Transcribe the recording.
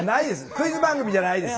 クイズ番組じゃないです。